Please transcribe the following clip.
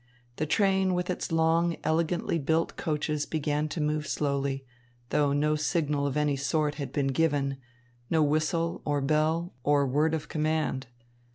The train with its long, elegantly built coaches began to move slowly, though no signal of any sort had been given, no whistle or bell or word of command.